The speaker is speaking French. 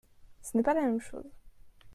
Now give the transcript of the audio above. Ce n’est pas la même chose.